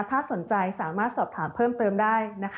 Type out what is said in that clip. ถ้าสนใจสามารถสอบถามเพิ่มเติมได้นะคะ